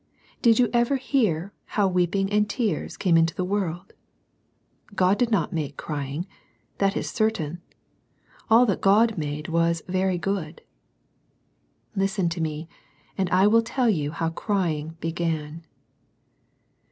Did you ever hear how weeping and tears came into the world ? God did not make crying; — ^that is certain. All that God made was "very good." Listen to me, and I will tell you how " crying" began.